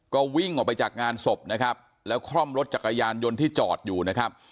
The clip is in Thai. ก็วิ่งออกไปจากงานศพนะครับแล้วคล่อมรถจักรยานยนต์ที่จอดอยู่นะครับ